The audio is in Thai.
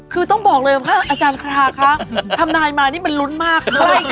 คือต้องบอกเลยว่าอาจารย์คราคะทำนายมานี่มันลุ้นมากเลย